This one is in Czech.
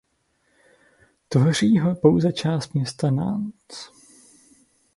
Tvoří ho pouze část města Nantes.